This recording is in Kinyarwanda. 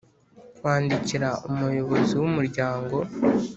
Kwandikira Umuyobozi w umuryango